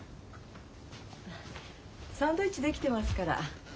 サンドイッチ出来てますから。